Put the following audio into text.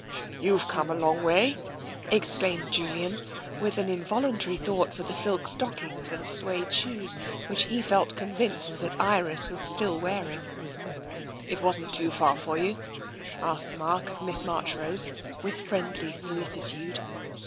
" You've come a long way !" exclaimed Julian, with an involuntary thought for the silk stockings and suede shoes which he felt convinced that Iris was still wearing. " It wasn't too far for you? " asked Mark of Miss Marchrose, with friendly solicitude.